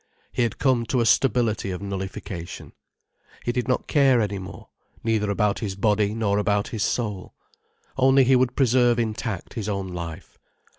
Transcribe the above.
He had come to a stability of nullification. He did not care any more, neither about his body nor about his soul. Only he would preserve intact his own life.